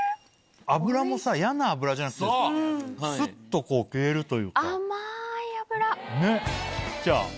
脂もさ嫌な脂じゃなくてスッと消えるというか。